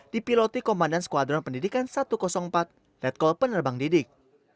dipiloti komandan skuadron pendidikan satu ratus empat letkol penerbang didik